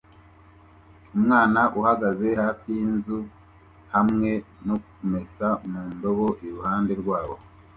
Umwana uhagaze hafi yinzuzi hamwe no kumesa mu ndobo iruhande rwabo